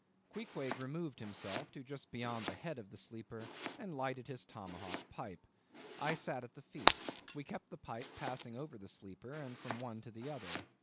Queequeg removed himself to just beyond the head of the sleeper, and lighted his tomahawk pipe. I sat at the feet. We kept the pipe passing over the sleeper, from one to the other.